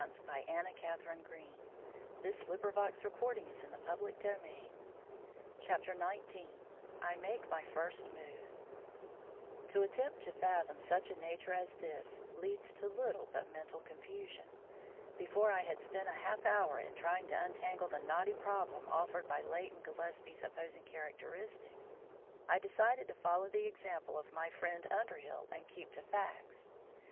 [Illustration: "I SAW HER WILD FIGURE JUMP OUT AND PLUNGE AWAY IN THE DIRECTION OF THE RIVER"] XIX I MAKE MY FIRST MOVE To attempt to fathom such a nature as this leads to little but mental confusion. Before I had spent a half hour in trying to untangle the knotty problem offered by Leighton Gillespie's opposing characteristics, I decided to follow the example of my friend Underhill, and keep to facts.